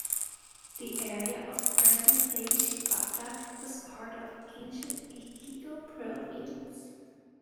The area of present-day Shibata was part of ancient Echigo Province.